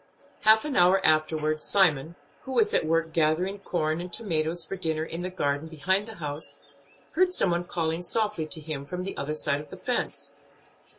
Half an hour afterward Simon, who was at work gathering corn and tomatoes for dinner in the garden behind the house, heard some one calling softly to him from the other side of the fence.